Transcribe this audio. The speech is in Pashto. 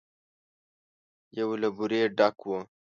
يو له بورې ډک و.